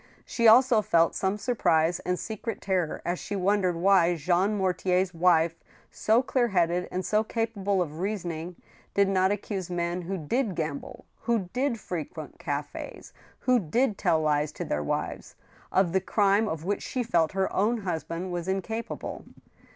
She also felt some surprise and secret terror as she won dered why Jean Mortier's wife, so clear headed and so capat^le of reasoning, did not accuse men who did gamble, who did frequent cafh, who didXtlX lies to their wives, of the^crime of which she felt her own husband was incapable.